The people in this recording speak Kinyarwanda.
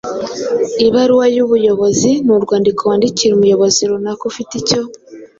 Ibaruwa y’ubuyobozi ni urwandiko wandikira umuyobozi runaka ufite icyo